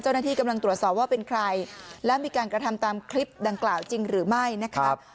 เจ้าหน้าที่กำลังตรวจสอบว่าเป็นใครและมีการกระทำตามคลิปดังกล่าวจริงหรือไม่นะครับ